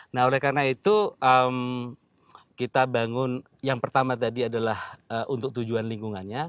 nah oleh karena itu kita bangun yang pertama tadi adalah untuk tujuan lingkungannya